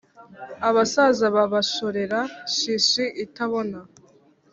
abasaza babashorera shishi itabona